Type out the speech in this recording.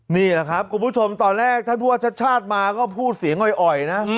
นี่แหละครับคุณผู้ชมตอนแรกท่านผู้ว่าชาติชาติมาก็พูดเสียงอ่อยนะ